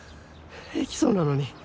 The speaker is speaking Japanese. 平気そうなのに。